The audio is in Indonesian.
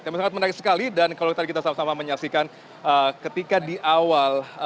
teman teman sangat menarik sekali dan kalau kita bersama sama menyaksikan ketika di awal